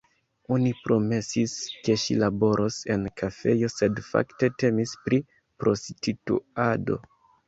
Oni promesis, ke ŝi laboros en kafejo, sed fakte temis pri prostituado.